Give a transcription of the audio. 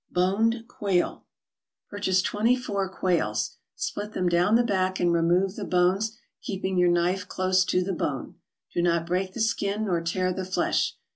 BONED QUAIL Purchase twenty four quails. Split them down the back and remove the bones, keeping your knife close to the bone. Do not break the skin nor tear the flesh.